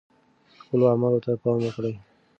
خپلو اعمالو ته پام وکړئ.